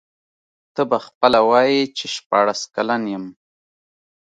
ته به خپله وایې چي شپاړس کلن یم.